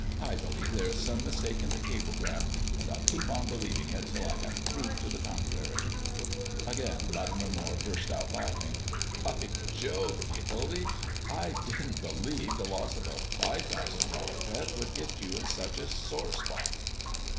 "I believe there is some mistake in the cablegram, and I'll keep on believing it till I have proof to the contrary." Again Latimer Moire burst out laughing. "By Jove! Gildy, I didn't believe the loss of a five thousand dollar bet would hit you in such a sore spot."